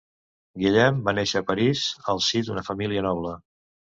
Guillem va néixer a París, el si d'una família noble.